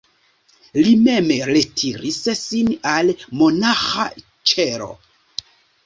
Li mem retiris sin al monaĥa ĉelo.